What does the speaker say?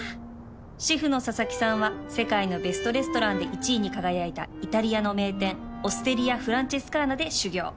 シェフの佐々木さんは世界のベストレストランで１位に輝いたイタリアの名店オステリア・フランチェスカーナで修業